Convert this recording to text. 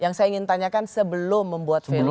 yang saya ingin tanyakan sebelum membuat film